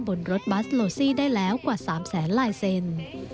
บนรถบัสโลซี่ได้แล้วกว่า๓แสนลายเซ็นต์